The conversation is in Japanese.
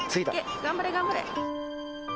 頑張れ、頑張れ。